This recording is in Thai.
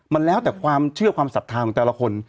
มันแล้วแต่ความเชื่อความศรัทธาของแต่ละคน